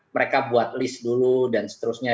mereka buat list dulu dan seterusnya